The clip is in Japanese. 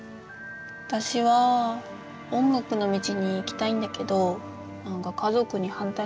私は音楽の道に行きたいんだけど何か家族に反対されちゃってさ。